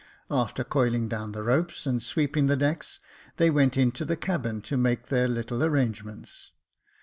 After coiling down the ropes, and sweeping the decks, they went into the cabin to make their little arrangements.